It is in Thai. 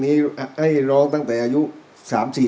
โปรดติดตามต่อไป